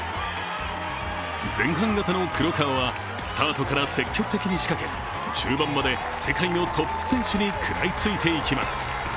前半型の黒川はスタートから積極的に仕掛け中盤まで世界のトップ選手に食らいついていきます。